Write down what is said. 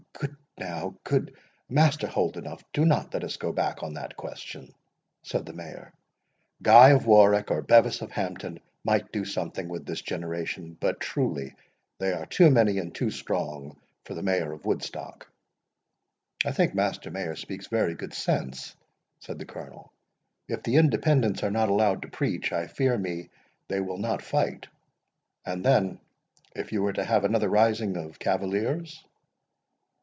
"Good now, good Master Holdenough, do not let us go back on that question," said the Mayor. "Guy of Warwick, or Bevis of Hampton, might do something with this generation; but truly, they are too many and too strong for the Mayor of Woodstock." "I think Master Mayor speaks very good sense," said the Colonel; "if the Independents are not allowed to preach, I fear me they will not fight;—and then if you were to have another rising of cavaliers?"